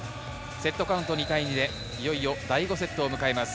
セットカウント２対２でいよいよ第５セットを迎えます。